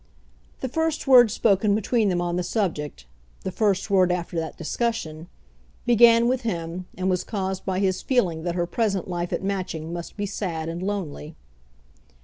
The first word spoken between them on the subject, the first word after that discussion, began with him and was caused by his feeling that her present life at Matching must be sad and lonely.